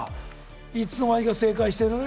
いつの間にか正解してるね。